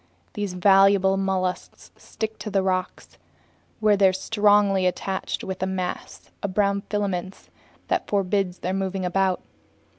These valuable mollusks stick to rocks, where they're strongly attached by a mass of brown filaments that forbids their moving about.